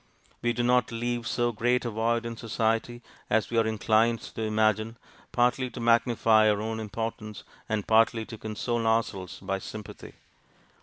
We do not leave so great a void in society as we are inclined to imagine, partly to magnify our own importance, and partly to console ourselves by sympathy.